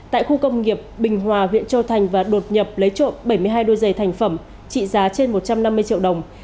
tại khu công nghiệp bình hòa huyện châu thành và đột nhập lấy trộm bảy mươi hai đôi giày thành phẩm trị giá trên một trăm năm mươi triệu đồng